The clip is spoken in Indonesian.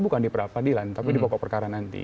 bukan di peradilan tapi di pokok perkara nanti